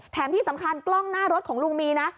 แถมที่สำคัญกล้องหน้ารถของลุงมีนะ